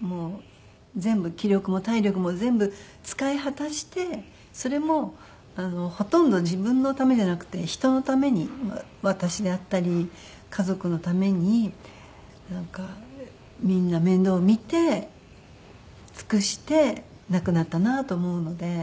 もう全部気力も体力も全部使い果たしてそれもほとんど自分のためじゃなくて人のために私であったり家族のためになんかみんな面倒を見て尽くして亡くなったなと思うので。